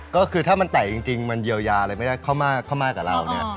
ก็คือถ้ามันแตกจริงมันเยียวยาอะไรไม่ได้เข้ามากับเราเนี่ย